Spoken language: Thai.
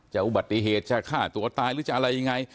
จะเอาบัตรย์ปีฮาจะฆ่าตัวตายหรือจะอะไรยังไง